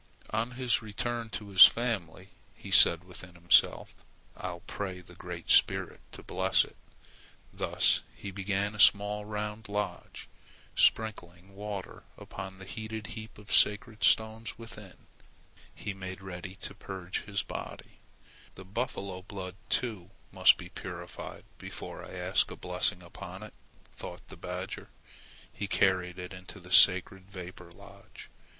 On his return to his family, he said within himself: "I'll pray the Great Spirit to bless it." Thus he built a small round lodge. Sprinkling water upon the heated heap of sacred stones within, he made ready to purge his body. "The buffalo blood, too, must be purified before I ask a blessing upon it," thought the badger. He carried it into the sacred vapor lodge.